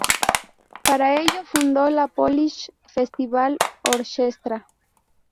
Para ello, fundó la Polish Festival Orchestra.